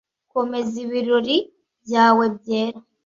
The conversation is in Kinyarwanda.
komeza ibirori byawe byera